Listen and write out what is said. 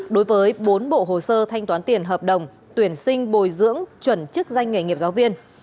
đối với bốn bộ hồ sơ thanh toán tiền hợp đồng tuyển sinh bồi dưỡng chuẩn chức danh nghề nghiệp giáo viên